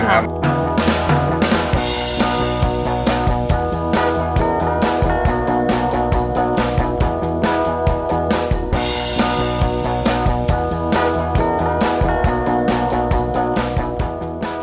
ใช่ค่ะ